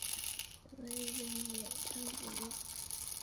怎么愿意会被碾成粉末？